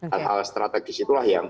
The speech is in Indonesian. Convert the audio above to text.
hal hal strategis itulah yang